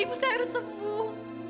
ibu saya harus sembuh